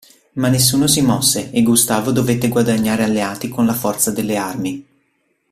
Ma nessuno si mosse, e Gustavo dovette guadagnare alleati con la forza delle armi.